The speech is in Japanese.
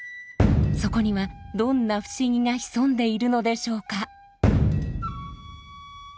そこにはどんな不思議が潜んでいるのでしょうか？